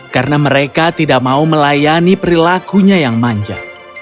karena mereka tidak mau melayani perilakunya yang manja